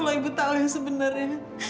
kalau ibu tahu sebenarnya